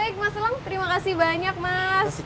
baik mas elang terima kasih banyak mas